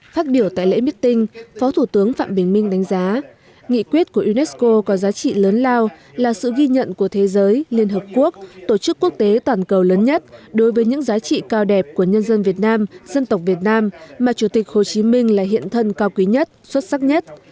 phát biểu tại lễ meeting phó thủ tướng phạm bình minh đánh giá nghị quyết của unesco có giá trị lớn lao là sự ghi nhận của thế giới liên hợp quốc tổ chức quốc tế toàn cầu lớn nhất đối với những giá trị cao đẹp của nhân dân việt nam dân tộc việt nam mà chủ tịch hồ chí minh là hiện thân cao quý nhất xuất sắc nhất